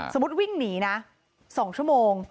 วิ่งหนีนะ๒ชั่วโมง